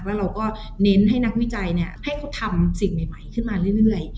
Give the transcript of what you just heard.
แล้วเราก็เน้นให้นักวิจัยให้เขาทำสิ่งใหม่ขึ้นมาเรื่อย